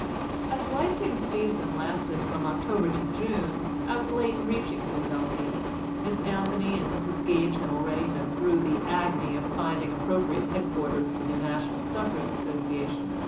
As the lyceum season lasted from October to June, I was late in reaching Philadelphia. Miss Anthony and Mrs. Gage had already been through the agony of finding appropriate headquarters for the National Suffrage Association.